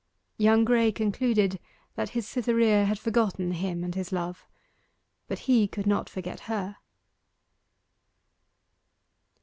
Young Graye concluded that his Cytherea had forgotten him and his love. But he could not forget her.